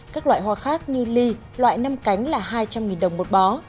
các loại hoa khác như ly loại năm cánh là hai trăm linh đồng một bó